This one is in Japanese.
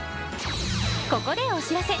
ここでお知らせ。